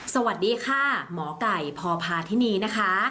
สวัสดีค่ะหมอไก่พพาธินีนะคะ